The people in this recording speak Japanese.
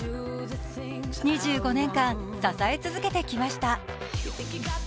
２５年間、支え続けてきました。